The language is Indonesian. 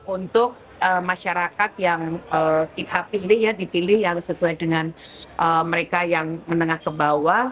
untuk masyarakat yang kita pilih ya dipilih yang sesuai dengan mereka yang menengah ke bawah